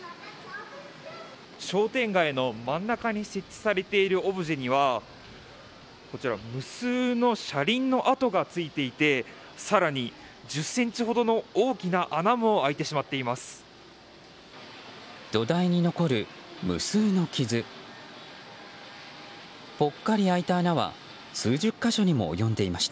商店街の真ん中に設置されているオブジェには無数の車輪の跡がついていて更に、１０ｃｍほどの大きな穴も開いてしまっています。